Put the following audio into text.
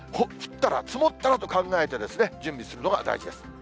降ったら、積もったらと考えて、準備するのが大事です。